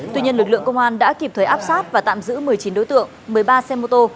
tuy nhiên lực lượng công an đã kịp thời áp sát và tạm giữ một mươi chín đối tượng một mươi ba xe mô tô